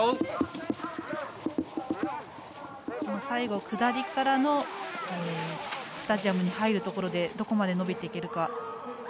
最後、下りからのスタジアムに入るところでどこまで伸びていけるか。